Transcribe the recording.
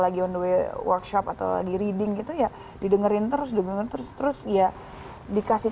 lagi on the way workshop atau lagi reading gitu ya didengerin terus didengar terus terus ya dikasih